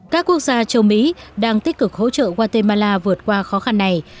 các quốc gia châu mỹ đang tích cực hỗ trợ guatemala vượt qua khó khăn này